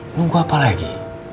nunggu apa lagi